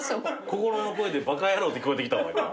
心の声で「バカ野郎」って聞こえてきたもん今。